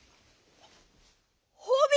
ほうび？